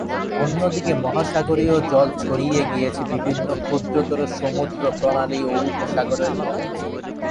অন্যদিকে মহাসাগরীয় জল ছড়িয়ে গিয়েছে বিভিন্ন ক্ষুদ্রতর সমুদ্র, প্রণালী ও উপসাগরের মধ্যে।